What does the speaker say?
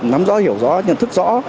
nắm rõ hiểu rõ nhận thức rõ